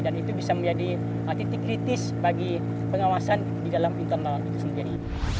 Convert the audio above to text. dan itu bisa menjadi artikel kritis bagi pengawasan di dalam internal itu sendiri